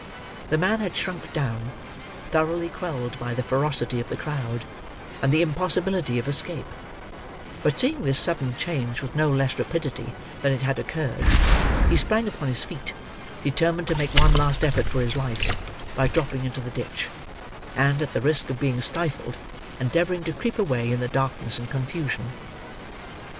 The man had shrunk down, thoroughly quelled by the ferocity of the crowd, and the impossibility of escape; but seeing this sudden change with no less rapidity than it had occurred, he sprang upon his feet, determined to make one last effort for his life by dropping into the ditch, and, at the risk of being stifled, endeavouring to creep away in the darkness and confusion.